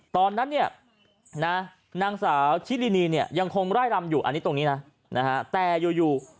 ตอนนั้นนางสาวชิลินียังคงร่ายรำอยู่ตรงนี้แต่อยู่